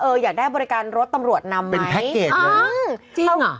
เอออยากได้บริการรถตำรวจนำไหมเป็นแพ็คเกจเลยอ้าวจริงเหรอ